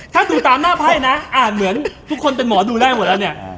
ถ้าดูตามหน้าไพ่นะอ่านเหมือนทุกคนเป็นหมอดูได้หมดแล้วเนี่ย